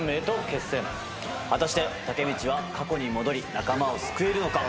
果たしてタケミチは過去に戻り仲間を救えるのか。